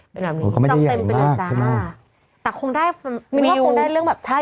เป็นแบบนี้เจ้าเต็มแต่คงได้มีความคงได้เรื่องแบบใช่